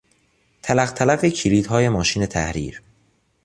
تلقتلق کلیدهای ماشین تحریر